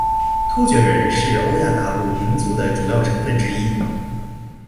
突厥人是欧亚大陆民族的主要成份之一。